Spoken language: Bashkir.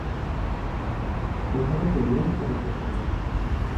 - Көнһылыу түҙмәй тороп ултырҙы.